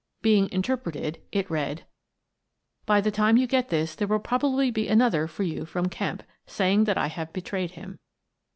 Being interpreted, it read : "By the time you get this there will probably be another for you from Kemp, saying that I have betrayed him.